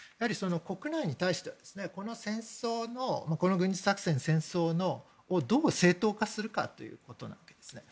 国内に対してはこの軍事作戦をどう正当化するかということなんですね。